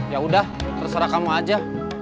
ya udah terserah kamu aja